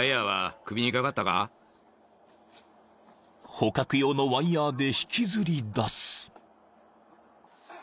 ［捕獲用のワイヤで引きずりだす］